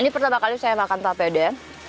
ini pertama kali saya makan pupeda